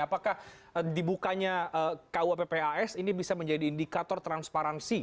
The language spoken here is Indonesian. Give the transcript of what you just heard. apakah dibukanya kuappas ini bisa menjadi indikator transparansi